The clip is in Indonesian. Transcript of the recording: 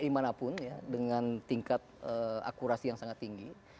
tidak ada yang dipakai di manapun dengan tingkat akurasi yang sangat tinggi